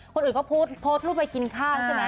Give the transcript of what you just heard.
คนอื่นก็โพสต์โพสต์รูปไปกินข้าวใช่ไหม